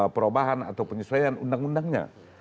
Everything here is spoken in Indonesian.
perubahan atau penyesuaian undang undangnya